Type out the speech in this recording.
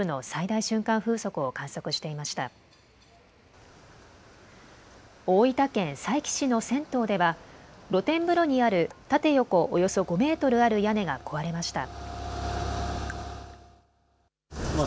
大分県佐伯市の銭湯では、露天風呂にある縦横およそ５メートルある屋根が壊れました。